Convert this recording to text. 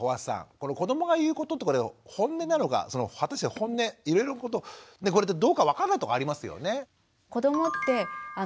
この子どもが言うことってホンネなのか果たしてホンネこれってどうか分かんないとこありますよね？